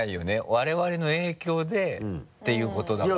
我々の影響でっていうことだから。